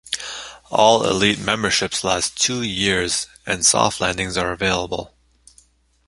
All elite memberships last two years and soft landings are available.